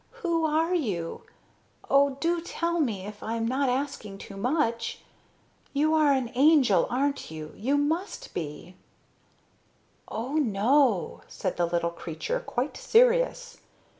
Who are you? Oh, do tell me, if I am not asking too much. You are an angel, aren't you? You must be." "Oh, no," said the little creature, quite serious.